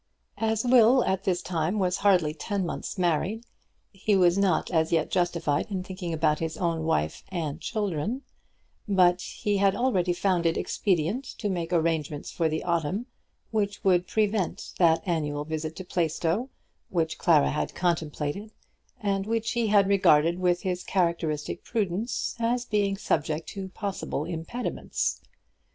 As Will at this time was hardly ten months married, he was not as yet justified in thinking about his own wife and children; but he had already found it expedient to make arrangements for the autumn, which would prevent that annual visit to Plaistow which Clara had contemplated, and which he had regarded with his characteristic prudence as being subject to possible impediments.